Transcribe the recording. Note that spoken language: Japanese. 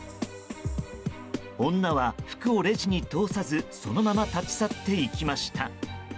女は服をレジに通さずそのまま立ち去っていきました。